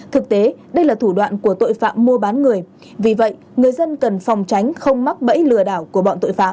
thực tế đây là thủ đoạn của tội phạm mua bán người vì vậy người dân cần phòng tránh không mắc bẫy lừa đảo của bọn tội phạm